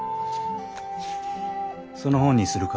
その本にするか？